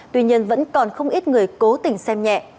tuy nhiên vẫn còn không ít người cố tình xem nhẹ